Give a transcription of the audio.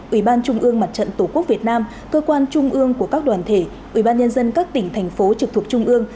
ủy ban trung ương mặt trận tổ quốc việt nam cơ quan trung ương của các đoàn thể ủy ban nhân dân các tỉnh thành phố trực thuộc trung ương